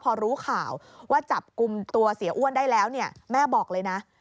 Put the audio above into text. พอรู้ข่าวว่าจับกลุ่มตัวเสียอ้วนได้แล้วเนี่ยแม่บอกเลยนะ